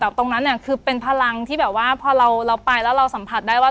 แต่ตรงนั้นเนี่ยคือเป็นพลังที่แบบว่าพอเราไปแล้วเราสัมผัสได้ว่า